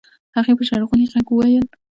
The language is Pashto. هغې په ژړغوني غږ وويل.